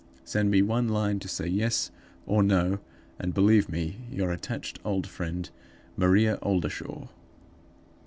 "Send me one line to say Yes or No; and believe me your attached old friend, "MARIA OLDERSHAW."